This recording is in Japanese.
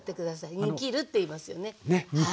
ねっ煮きるっていいますよね。